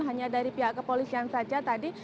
hanya dari pihak kepolisian saja tadi